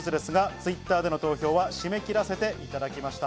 Ｔｗｉｔｔｅｒでの投票は締め切らせていただきました。